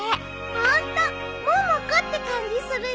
ホント「ももこ」って感じするよね。